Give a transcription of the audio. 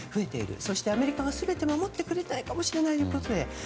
そして、アメリカが全て守ってくれないかもしれないこと。